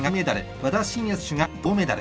和田伸也選手が銅メダル。